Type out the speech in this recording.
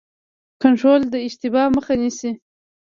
کنټرول د اشتباه مخه نیسي